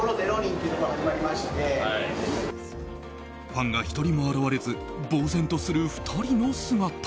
ファンが１人も現れず呆然とする２人の姿。